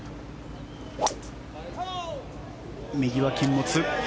右は禁物。